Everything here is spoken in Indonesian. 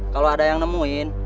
kalo ada yang nemuin